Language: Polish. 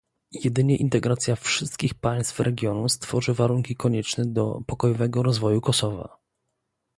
Jedynie integracja wszystkich państw regionu stworzy warunki konieczne do pokojowego rozwoju Kosowa